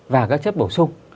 và các chất bổ sung